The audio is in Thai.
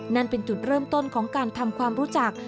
นั่นเป็นจุดเริ่มต้นของการทำความรู้จัก